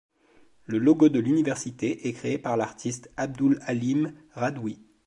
Le logo de l’université est créé par l’artiste Abdul-Halim Radwi.